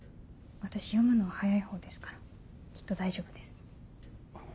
私読むのは速いほうですからきっと大丈夫です。